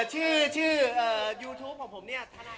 ชื่อยูทูปของผมเนี่ย